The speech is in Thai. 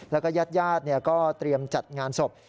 แล้วก็ญาติญาติก็เตรียมจัดงานศพ